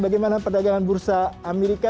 bagaimana perdagangan bursa amerika